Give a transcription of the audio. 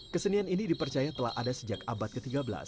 kesenian ini dipercaya telah ada sejak abad ke tiga belas